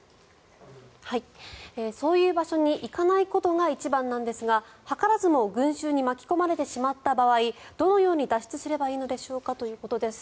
そういう場所に行かないことが一番なんですが図らずも群衆に巻き込まれてしまった場合どのように脱出すればいいのでしょうかということです。